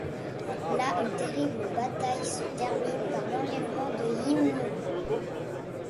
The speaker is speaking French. Là une terrible bataille se termine par l'enlèvement de Yimmon.